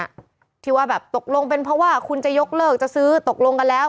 ที่ว่าแบบตกลงเป็นเพราะว่าคุณจะยกเลิกจะซื้อตกลงกันแล้ว